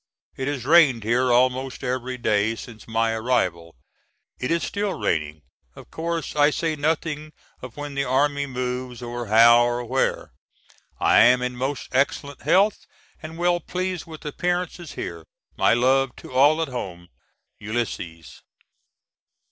It has rained here almost every day since my arrival. It is still raining. Of course I say nothing of when the army moves or how or where. I am in most excellent health and well pleased with appearances here. My love to all at home. ULYSSES.